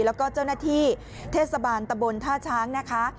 แล้วก็เจ้าหน้าที่เทศบาลตะบนท่าช้างนะคะ